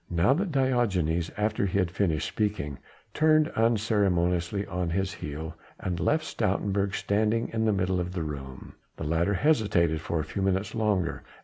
Now that Diogenes, after he had finished speaking, turned unceremoniously on his heel and left Stoutenburg standing in the middle of the room, the latter hesitated for a few minutes longer.